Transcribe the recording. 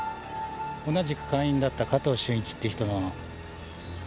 同じく会員だった加藤俊一っていう人の妹だよ。